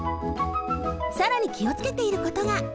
さらにきをつけていることが。